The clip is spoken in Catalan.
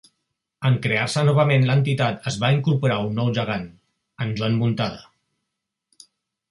En crear-se novament l'entitat es va incorporar un nou gegant, en Joan Muntada.